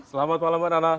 selamat malam nanas